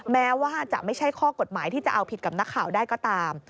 แม้ว่าจะไม่ใช่ข้อกฎหมายที่จะเอาผิดกับนักข่าวได้ก็ตาม